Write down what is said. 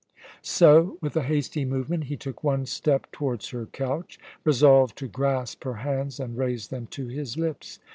So, with a hasty movement, he took one step towards her couch, resolved to grasp her hands and raise them to his lips.